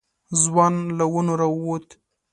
ځوان له ونو راووت.